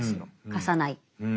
貸さない。